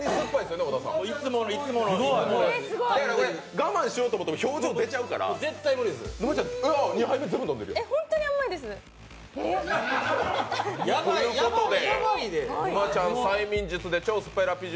我慢しようと思っても表情出ちゃうからやばいで。